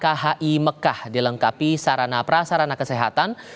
ketika tersintas melompat dengan mem cabecahkan uang yang kecepatan